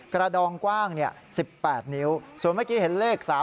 กระดองกว้าง๑๘นิ้วส่วนเมื่อกี้เห็นเลข๓๓